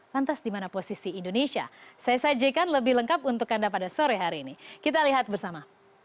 lantas di mana posisi indonesia saya sajikan lebih lengkap untuk anda pada sore hari ini kita lihat bersama